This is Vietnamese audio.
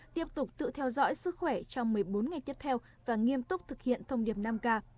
tiếp tục tự theo dõi sức khỏe trong một mươi bốn ngày tiếp theo và nghiêm túc thực hiện thông điệp năm k